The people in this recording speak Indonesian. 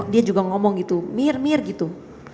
dia juga ngomong gitu mir mir gitu